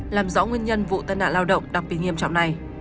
làm rõ nguyên nhân vụ tai nạn lao động đặc biệt nghiêm trọng này